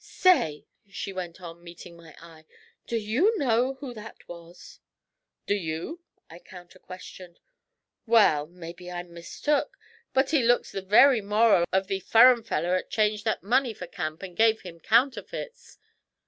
'Say,' she went on, meeting my eye, 'do you know who that was?' 'Do you?' I counter questioned. 'Well! mebbe I'm mistook, but he looks the very moral of the furrin feller 'at changed that money for Camp and gave him counterfeits!'